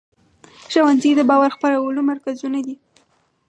ښوونځي د باور خپرولو مرکزونه دي.